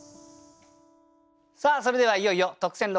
さあそれではいよいよ特選六句の発表です。